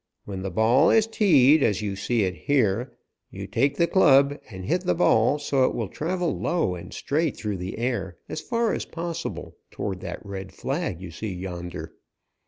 When the ball is teed as you see it here, you take the club and hit the ball so it will travel low and straight through the air as far as possible toward that red flag you see yonder.